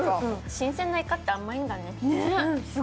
新鮮ないかって甘いんだね。